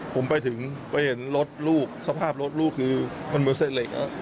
ผมไปถึงไปเห็นรถลูกสภาพรถลูกคือมันเหมือนเส้นเหล็ก